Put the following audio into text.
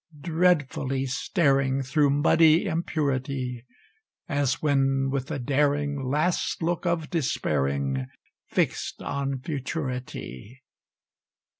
Dreadfully staring Thro' muddy impurity, As when with the daring Last look of despairing Fix'd on futurity.